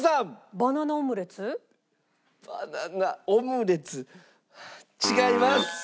バナナオムレツ違います。